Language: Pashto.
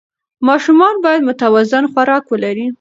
ماشومان باید متوازن خوراک ولري.